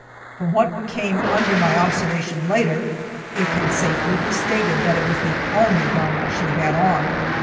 From what came under my observation later, it can safely be stated that it was the only garment she had on.